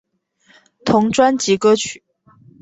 同专辑歌曲。